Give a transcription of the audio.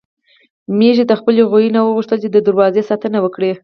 ميښې د خپل غويي نه وغوښتل چې د دروازې ساتنه وکړي.